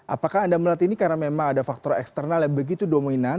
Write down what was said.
apakah anda melihat ini karena memang ada faktor eksternal yang begitu dominan